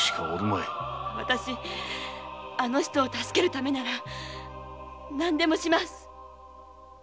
わたしあの人を助けるためなら何でもします！